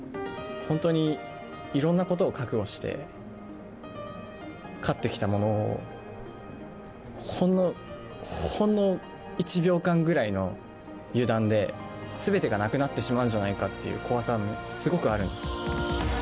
本当にいろんなことを覚悟して、勝ってきたものを、ほんの、ほんの１秒間ぐらいの油断で、すべてがなくなってしまうんじゃないかっていう怖さがすごくあるんです。